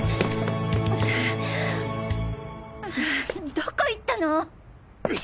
どこ行ったの！？